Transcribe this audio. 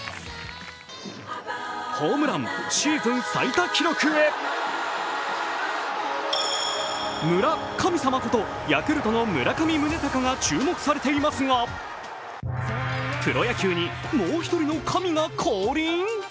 ホームラン、シーズン最多記録へ村神様ことヤクルトの村上宗隆が注目されていますがプロ野球にもう１人の神が降臨！？